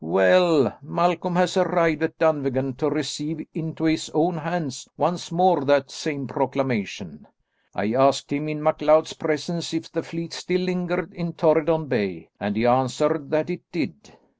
"Well, Malcolm has arrived at Dunvegan to receive into his own hands once more that same proclamation. I asked him, in MacLeod's presence, if the fleet still lingered in Torridon Bay, and he answered that it did.